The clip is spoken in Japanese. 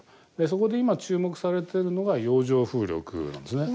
そこで今注目されてるのが洋上風力なんですね。